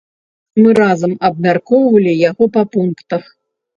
Мы разам абмяркоўвалі яго па пунктах.